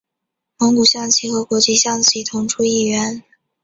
蒙古象棋和国际象棋同出一源。